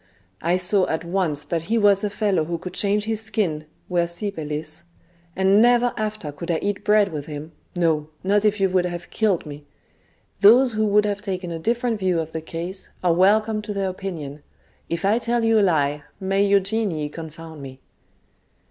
I saw at once that he was a fellow who could change his skin (versipellis), and never after could I eat bread with him, no, not if you would have killed me. Those who would have taken a diflferent view of the case are welcome to their opinion ; if I tell you a lie, may your genii confound me